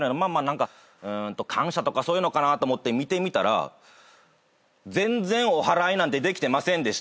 何か感謝とかそういうのかなと思って見てみたら「全然おはらいなんてできてませんでしたよ」